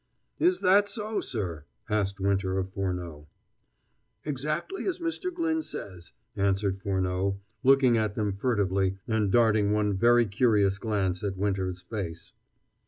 "Is that so, sir?" asked Winter of Furneaux. "Exactly as Mr. Glyn says," answered Furneaux, looking at them furtively, and darting one very curious glance at Winter's face.